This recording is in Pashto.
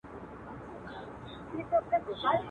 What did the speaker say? زموږ مېږیانو هم زلمي هم ماشومان مري.